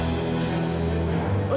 untuk apa bu